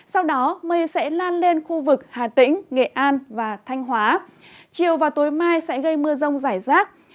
sau đó mây sẽ lan lên khu vực hà tĩnh nghệ an và thanh hóa chiều và tối mai sẽ gây mưa rông rải rác